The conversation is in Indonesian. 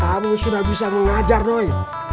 kamu sudah bisa mengajar noin